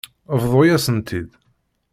Bḍu-yasen-tt-id.